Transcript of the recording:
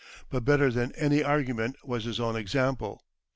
But better than any argument was his own example.